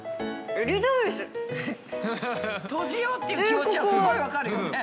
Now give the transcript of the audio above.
閉じようっていう気持ちはすごいわかるよね。